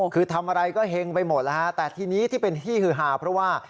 คือทำอะไรก็เฮงไปหมดแล้วฮะแต่ทีนี้ที่เป็นที่ฮือฮาเพราะว่า